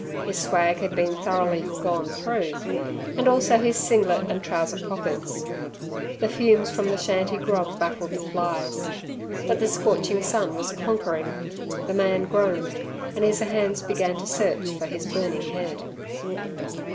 His swag had been thoroughly "gone through", and also his singlet and trouser pockets. The fumes from the shanty grog baffled the flies. But the scorching sun was conquering; the man groaned, and his hands began to search for his burning head.